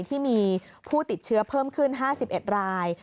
ที่มีผู้ติดเชื้อเพิ่มขึ้น๕๑ราย